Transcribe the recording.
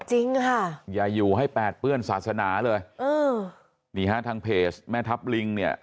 จริงค่ะอย่าอยู่ให้แปดเปื้อนศาสนาเลยเออนี่ฮะทางเพจแม่ทัพลิงเนี่ย